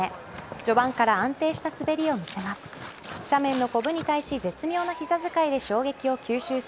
序盤から安定した滑りを見せます。